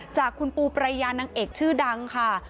จากคุณปูปรายานางเอกชื่อดังค่ะ